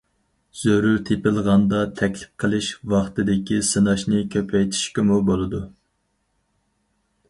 زۆرۈر تېپىلغاندا تەكلىپ قىلىش ۋاقتىدىكى سىناشنى كۆپەيتىشكىمۇ بولىدۇ.